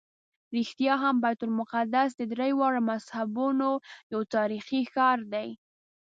رښتیا هم بیت المقدس د درېواړو مذهبونو یو تاریخي ښار دی.